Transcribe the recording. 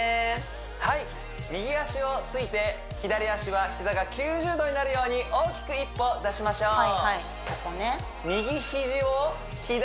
はい右足をついて左足は膝が９０度になるように大きく一歩出しましょうはいはいここね